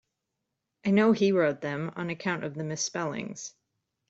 I know he wrote them on account of the misspellings.